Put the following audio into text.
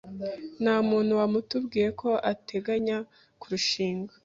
Ntamuntu watubwiye ko ateganya kurushinga.